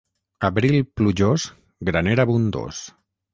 Abril plujós, graner abundós.